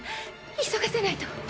急がせないと。